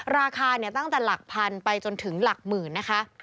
ราคาตั้งแต่หลักพันไปจนถึงหลักหมื่นนะคะ